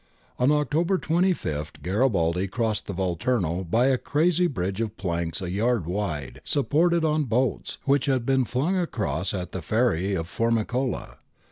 ^ On October 25 Garibaldi crossed the Volturno by a crazy bridge of planks a yard wide, supported on boats, which had been flung across at the ferry of Formicola.